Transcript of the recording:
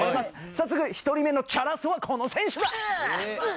早速１人目のチャラッソはこの選手だ！